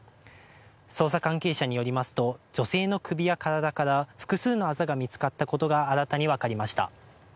捜査関係者によりますと、女性の首や体から複数のあざが見つかったことが新たに分かりました。